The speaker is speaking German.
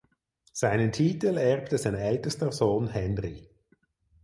Seinen Titel erbte sein ältester Sohn Henry.